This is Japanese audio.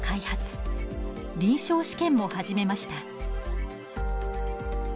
臨床試験も始めました。